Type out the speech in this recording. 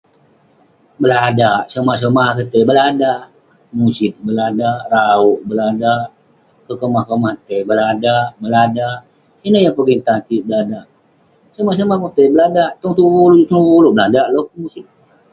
Beladak. Somah somah akouk tai beladak. Musit, beladak. Rauk, beladak. Kekomah-komah tai, beladak beladak. Ineh yah pogeng tan kik, beladak. Somah somah kok tai, beladak. tong tuvu tenuvu ulouk, beladak loh kek musit.